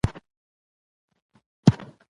د پوهنتون دپاره مې ادرس ځني واخیست.